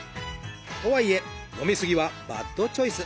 とはいえ飲み過ぎはバッドチョイス！